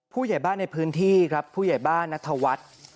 ผู้ใหญ่บ้านในพื้นที่ครับผู้ใหญ่บ้านนัทวัฒน์